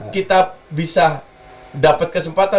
kita bisa dapat kesempatan